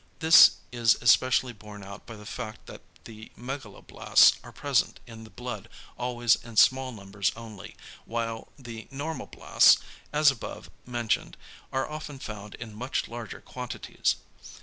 This is especially borne out by the fact that the megaloblasts are present in the blood always in small numbers only, whilst the normoblasts, as above mentioned, are often found in much larger quantities.